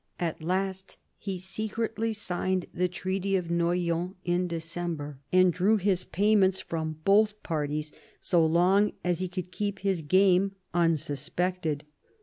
at last he secretly signed the Treaty of Noyon in December, and drew his payments from both parties so long as he could keep his game unsuspected.